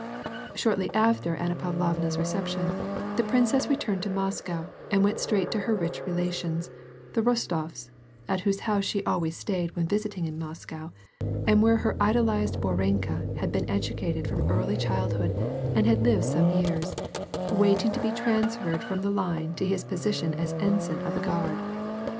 Shortly after Anna Pavlovna's reception, the princess re turned to Moscow and went straight to her rich relations, the Bostofs, at whose house she always stayed when visiting in Moscow, and where her idolized Borenka had been edu cated from early childhood and had lived some years, waiting to be transferred from the Line to his position as ensign of the Guard.